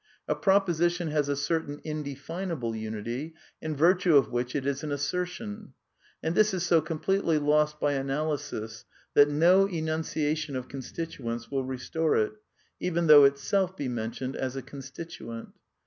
A proposition has a certain indefinable unity, in virtue of which it is an assertion : and this is so completely lost by analysis that no enunciation of constituents will restore it, even though itself be mentioned as a constituent.